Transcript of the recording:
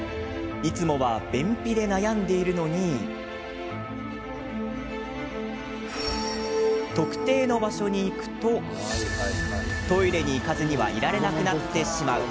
いつもは便秘で悩んでいるのにトイレに行かずにはいられなくなってしまう。